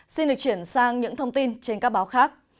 xin được chuyển sang những thông tin trên các báo khác